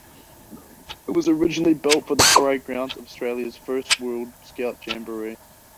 It was originally built for the parade grounds of Australia's first World Scout Jamboree.